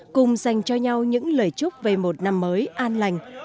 cùng dành cho nhau những lời chúc về một năm mới an lành